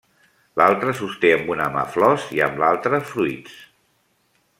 L'altra sosté amb una mà flors i amb l'altra fruits.